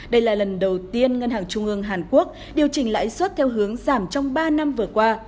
đây là lần đầu tiên ngân hàng trung ương hàn quốc điều chỉnh lãi xuất theo hướng giảm trong ba năm vừa qua